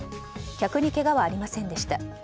客にけがはありませんでした。